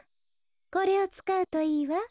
これをつかうといいわ。